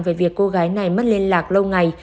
về việc cô gái này mất liên lạc lâu ngày